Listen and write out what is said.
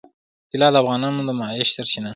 طلا د افغانانو د معیشت سرچینه ده.